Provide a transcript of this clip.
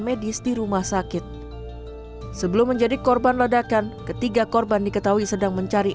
medis di rumah sakit sebelum menjadi korban ledakan ketiga korban diketahui sedang mencari